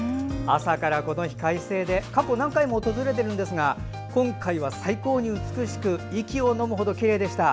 朝から、この日快晴で過去、何回も訪れているんですが今回は最高に美しく息をのむほどきれいでした。